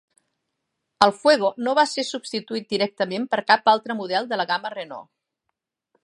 El Fuego no va ser substituït directament per cap altre model de la gamma Renault.